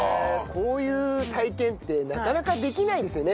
こういう体験ってなかなかできないですよね